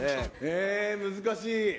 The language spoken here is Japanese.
え難しい。